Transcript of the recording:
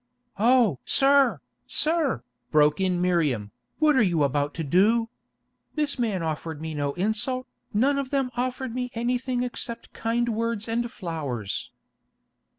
"Oh! sir, sir," broke in Miriam, "what are you about to do? This man offered me no insult, none of them offered me anything except kind words and flowers."